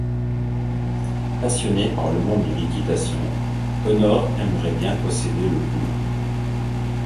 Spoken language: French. Passionné par le monde de l'équitation, Connor aimerait bien posséder le poulain.